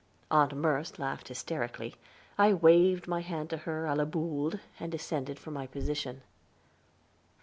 Aunt Merce laughed hysterically; I waved my hand to her, à la Boold, and descended from my position.